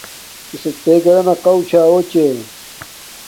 کسک تے گھرانا قوہ چھا اُچے